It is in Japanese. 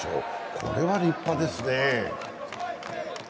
これは立派ですね。